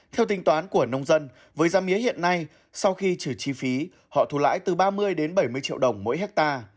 theo tình toán của nông dân với gia mía hiện nay sau khi trừ chi phí họ thu lãi từ ba mươi đến bảy mươi triệu đồng mỗi hecta